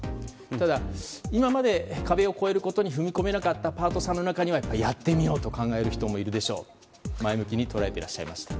ただ、今まで壁を超えることに踏み込めなかったパートさんの中にはやってみようと考える人もいるでしょうと前向きに捉えていらっしゃいました。